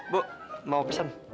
bu mau pesen